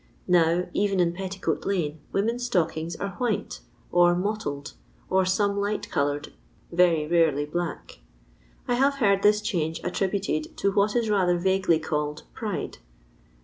Now, even in Petti coat lane, women's stockings are white, or '' mot tled," or some ligh^coIoured, very rarely black. I have heard this change attributed to what is rather vaguely called ''pride."